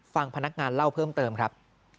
ฟังพนักงานเล่าเพิ่มเติมครับ